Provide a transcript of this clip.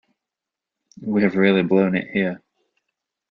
We have really blown it here.